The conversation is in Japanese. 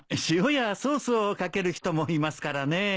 塩やソースを掛ける人もいますからね。